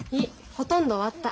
ほとんど終わった。